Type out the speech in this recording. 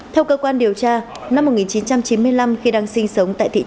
theo cơ quan điều tra năm một nghìn chín trăm chín mươi năm khi đang sinh sống tại thị trấn